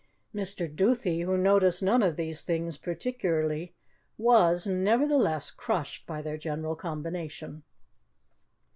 Mr. Duthie, who noticed none of these things particularly, was, nevertheless, crushed by their general combination.